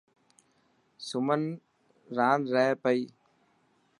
سمن ران رهي پئي.